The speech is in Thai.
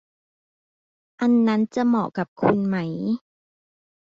อันนั้นจะเหมาะกับคุณไหม